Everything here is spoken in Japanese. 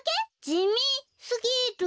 じみすぎる。